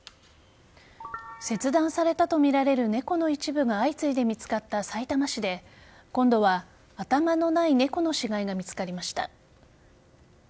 切断されたとみられる猫の一部が相次いで見つかったさいたま市で今度は、頭のない猫の死骸が見つかりました。